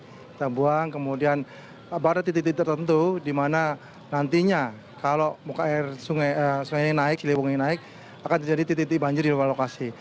kita buang kemudian pada titik titik tertentu di mana nantinya kalau muka air sungai ini naik ciliwung ini naik akan terjadi titik titik banjir di luar lokasi